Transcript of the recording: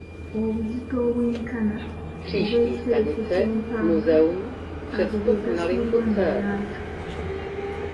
Obuzito obwenkana obw'ekitereke ky'empanga, ago ge gaasuulibwa mu nnyanja.